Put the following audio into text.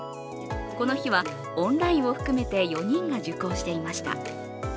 この日はオンラインを含めて４人が受講していました。